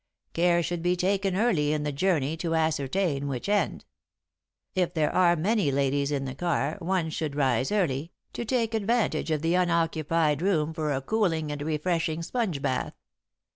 Care should be taken early in the journey to ascertain which end. If there are many ladies in the car, one should rise early, to take advantage of the unoccupied room for a cooling and refreshing sponge bath.